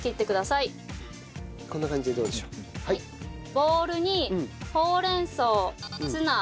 ボウルにほうれん草ツナ。